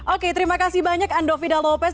oke terima kasih banyak ando fida lopez